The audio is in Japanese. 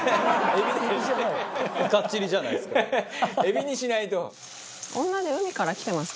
エビにしないと！